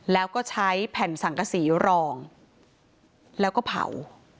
แล้วก็ใช้แผ่นสังกษีรองแล้วก็เผา